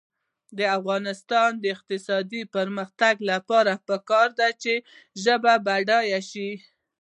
د افغانستان د اقتصادي پرمختګ لپاره پکار ده چې ژبې بډایه شي.